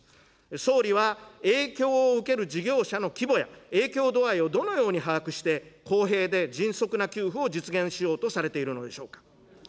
総理は影響を受ける事業者の規模や影響度合いをどのように把握して、公平で迅速な給付を実現しようとされているのでしょうか。